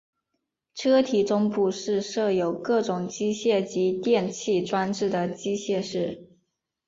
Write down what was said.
车体中部是设有各种机械及电气装置的机械室。